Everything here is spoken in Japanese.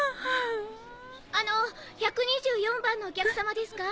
あの１２４番のお客様ですか？